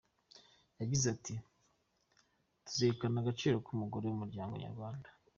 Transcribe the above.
Yagize ati “Tuzirikana agaciro k’umugore mu muryango nyarwanda.